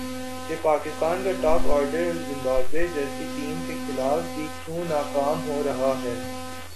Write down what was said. کہ پاکستان کا top order Zimbabwe جیسی ٹیم کے خلاف بھی کیوں ناکام ہو رہا ہے